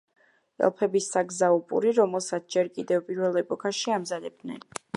ელფების საგზაო პური, რომელსაც ჯერ კიდევ პირველ ეპოქაში ამზადებდნენ.